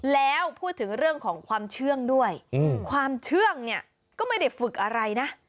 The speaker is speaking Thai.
แล้วพูดถึงเรื่องของความเชื่องด้วยความเชื่องเนี่ยก็ไม่ได้ฝึกอะไรนะ